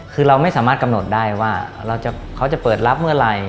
คือเราไม่สามารถกำหนดได้ว่าเขาจะเปิดรับเมื่อไหร่